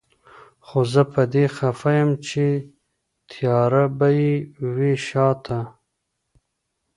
خو زه په دې خفه يم چي تياره به يې وي شاته